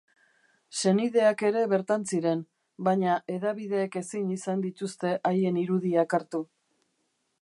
Senideak ere bertan ziren, baina hedabideek ezin izan dituzte haien irudiak hartu.